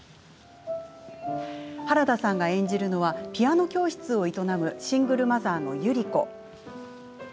原田さんが演じるのはピアノ教室を営むシングルマザーの百合子。